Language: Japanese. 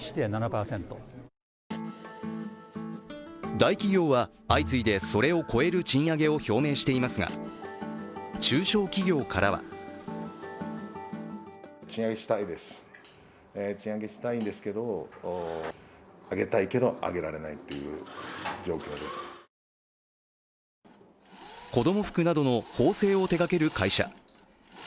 大企業は相次いで、それを超える賃上げを表明していますが、中小企業からは子供服などの縫製を手がける会社。